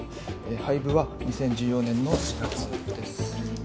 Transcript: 廃部は２０１４年の４月です。